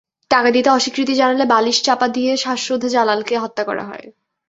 টাকা দিতে অস্বীকৃতি জানালে বালিশ চাপা দিয়ে শ্বাসরোধে জালালকে হত্যা করা হয়।